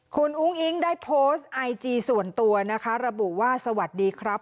คุณอุ้งอิ๊งได้โพสต์ไอจีส่วนตัวนะคะระบุว่าสวัสดีครับ